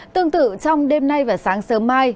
tương tự trong đêm nay và sáng sớm mai